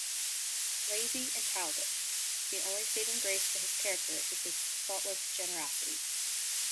Lazy and childish, the only saving grace to his character is his thoughtless generosity.